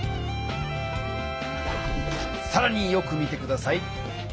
さらによく見て下さい。